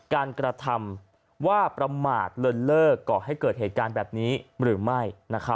การกระทำว่าประมาทเลินเลิกก่อให้เกิดเหตุการณ์แบบนี้หรือไม่